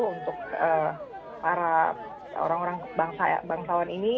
untuk para orang orang bangsawan ini